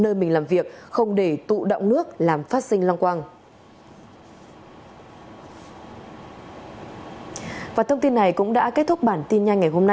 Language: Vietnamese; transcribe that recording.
nơi mình làm việc không để tụ đọng nước làm phát sinh long quang